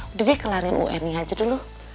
udah deh kelarin un nya aja dulu